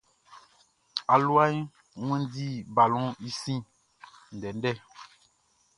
Aluaʼn wanndi balɔnʼn i sin ndɛndɛ.